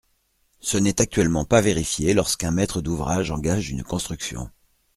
Ce n’est actuellement pas vérifié lorsqu’un maître d’ouvrage engage une construction.